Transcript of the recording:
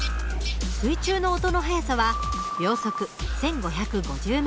水中の音の速さは秒速１，５５０ｍ。